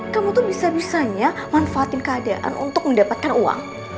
kamu tuh bisa bisanya manfaatin keadaan untuk mendapatkan uang